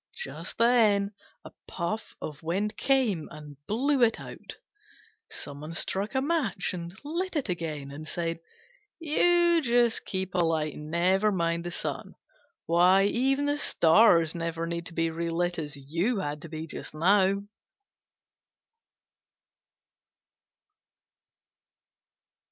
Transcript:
Just then a puff of wind came and blew it out. Some one struck a match and lit it again, and said, "You just keep alight, and never mind the sun. Why, even the stars never need to be relit as you had to be just now."